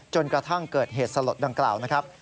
จนกระทั่งเกิดเหตุสลดดังกล่าวนะครับ